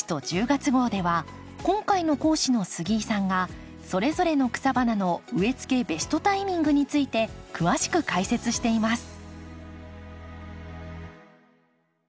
月号では今回の講師の杉井さんがそれぞれの草花の植えつけベストタイミングについて詳しく解説しています。